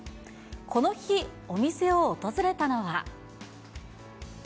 この日、お店を訪れたのは。